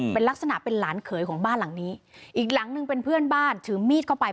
เป็นลักษณะเป็นหลานเขยของบ้านหลังนี้อีกหลังหนึ่งเป็นเพื่อนบ้านถือมีดเข้าไป